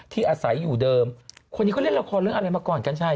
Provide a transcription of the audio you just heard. อาศัยอยู่เดิมคนนี้เขาเล่นละครเรื่องอะไรมาก่อนกัญชัย